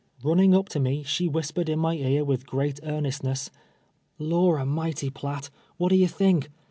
Iwunning up to me, she whis pered in my ear with great earnestness, " Lor a' mity, Piatt ! what d'ye think